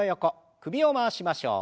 首を回しましょう。